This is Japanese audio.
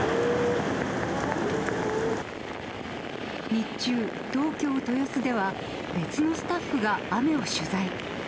日中、東京・豊洲では、別のスタッフが雨を取材。